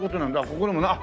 ここにも。